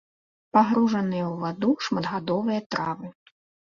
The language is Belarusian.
Пагружаныя ў ваду шматгадовыя травы.